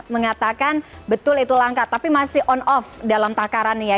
mengatakan betul itu langka tapi masih on off dalam takarannya